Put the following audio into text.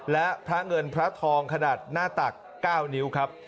และพระเงินพระทองขนาดหน้าตัก๙นิ้วครับ